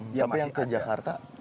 tapi yang ke jakarta